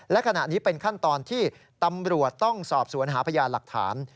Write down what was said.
และขณะนี้เป็นขั้นตอนที่ตำรวจต้องสอบสวนหาพยานหลักฐาน